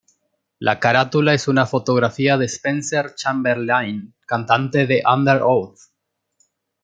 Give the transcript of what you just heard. La carátula es una fotografía de Spencer Chamberlain, cantante de Underoath.